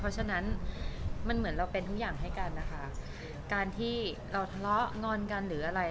เพราะฉะนั้นมันเหมือนเราเป็นทุกอย่างให้กันนะคะการที่เราทะเลาะงอนกันหรืออะไร